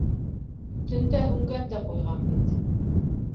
— Төндә һүнгән дә ҡуйған бит.